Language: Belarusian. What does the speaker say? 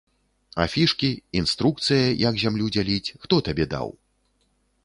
Афішкі, інструкцыя, як зямлю дзяліць, хто табе даў?